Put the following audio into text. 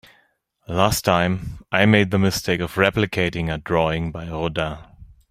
Last time, I made the mistake of replicating a drawing by Rodin.